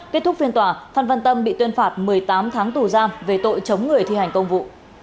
kết thúc phiên tòa phan văn tâm bị tuyên phạt một mươi tám tháng tù giam về tội chống người thi hành công vụ